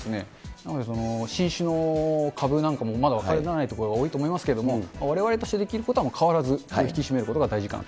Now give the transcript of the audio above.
なので、新種の株なんかもまだ分からないところが多いと思いますけれども、われわれとしてできることは、変わらず身を引き締めることかなと。